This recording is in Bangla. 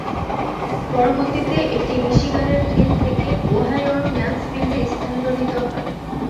পরবর্তীতে এটি মিশিগানের ফ্লিন্ট থেকে ওহাইওর ম্যানসফিল্ডে স্থানান্তরিত হয়।